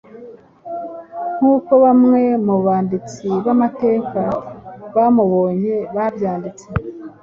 nk’uko bamwe mu banditsi b’amateka bamubonye babyanditse